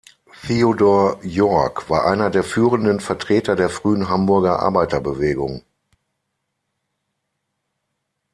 Theodor Yorck war einer der führenden Vertreter der frühen Hamburger Arbeiterbewegung.